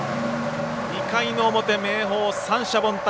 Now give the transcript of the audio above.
２回の表、明豊、三者凡退。